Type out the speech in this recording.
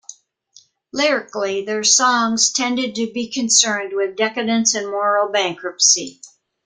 Lyrically, their songs tended to be concerned with decadence and moral bankruptcy.